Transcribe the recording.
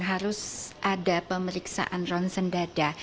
harus ada pemeriksaan ronsen dada